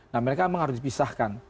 nah mereka memang harus dipisahkan